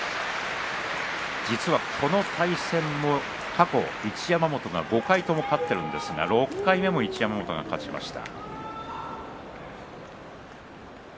実はこの対戦も、過去一山本が５回とも勝っているんですが６回目も一山本が勝ちました。